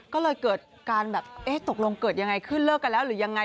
ก็เลยเกิดการแบบเอ๊ะตกลงเกิดยังไงขึ้นเลิกกันแล้วหรือยังไง